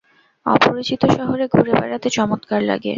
অপরিচিত শহরে ঘুরে বেড়াতে চমৎকার লাগে।